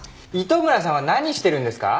糸村さんは何してるんですか？